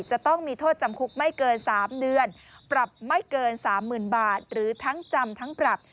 จะต้องมีโทษจำคุกไม่เกิน๓เดือนปรับไม่เกิน๓๐๐๐บาทหรือทั้งจำทั้งปรับ